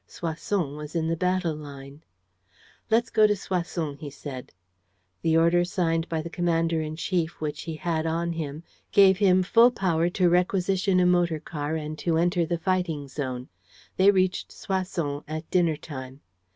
Soissons was in the battle line. "Let's go to Soissons," he said. The order signed by the commander in chief which he had on him gave him full power to requisition a motor car and to enter the fighting zone. They reached Soissons at dinner time.